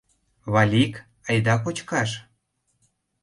— Валик, айда кочкаш!